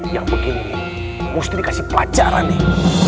yang begini nih musti dikasih pelajaran nih